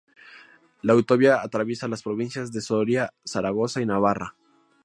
La autovía atraviesa las provincias de Soria, Zaragoza y Navarra.